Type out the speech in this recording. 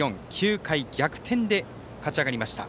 ９回逆転で勝ち上がりました。